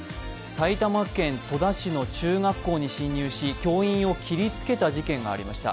埼玉県戸田市の中学校に侵入し教員を切りつけた事件がありました。